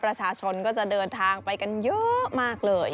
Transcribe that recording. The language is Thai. ประชาชนก็จะเดินทางไปกันเยอะมากเลย